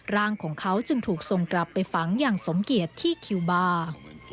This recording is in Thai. ร่างของเขาจึงถูกส่งกลับไปฝังอย่างสมเกียจที่คิวบาร์